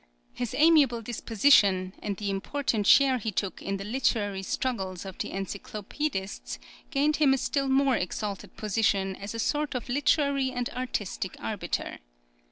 His amiable disposition and the important share he took in the literary struggles of the encyclopedists gained him a still more exalted position as a sort of literary and artistic arbiter.